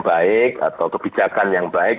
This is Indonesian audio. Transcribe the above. baik atau kebijakan yang baik